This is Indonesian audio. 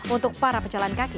untuk para pejalan kaki